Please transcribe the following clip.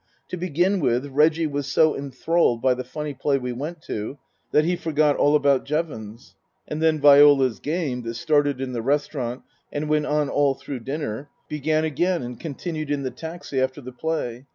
To begin with, Reggie was so enthralled by the funny play we went to that he forgot all about Jevons. And then Viola's game, that started in the restaurant and went on all through dinner, began again and continued in the taxi after the play.